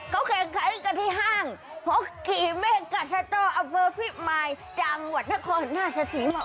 เขาแข่งคลานกันที่ห้างเพราะกี่เมฆกัสต๊อเอาเบอร์พี่มายจังหวัดนครหน้าสธิมา